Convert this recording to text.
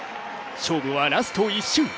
勝負はラスト１周。